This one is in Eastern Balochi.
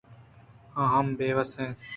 آ ہم بے وس اِنت